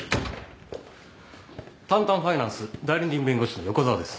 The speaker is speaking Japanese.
タンタンファイナンス代理人弁護士の横沢です。